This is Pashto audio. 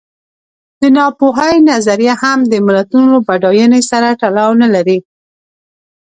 د ناپوهۍ نظریه هم د ملتونو بډاینې سره تړاو نه لري.